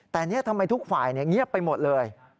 แต่นี่ทำไมทุกฝ่ายเงียบไปหมดเลย